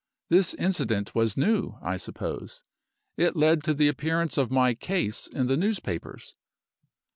This incident was new, I suppose; it led to the appearance of my 'case' in the newspapers.